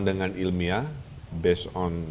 dengan ilmiah based on